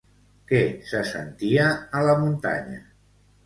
Què se sentia a la muntanya?